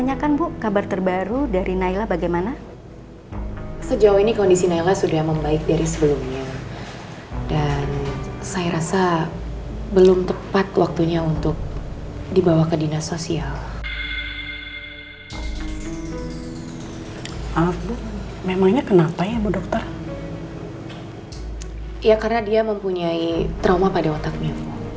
ya karena dia mempunyai trauma pada otaknya